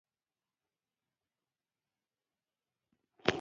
ازادي راډیو د عدالت ستر اهميت تشریح کړی.